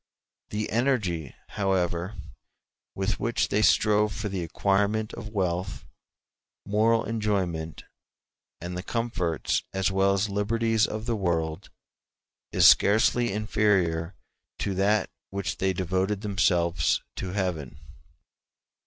The energy, however, with which they strove for the acquirement of wealth, moral enjoyment, and the comforts as well as liberties of the world, is scarcely inferior to that with which they devoted themselves to Heaven.